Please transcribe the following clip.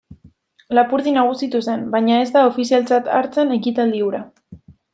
Lapurdi nagusitu zen baina ez da ofizialtzat hartzen ekitaldi hura.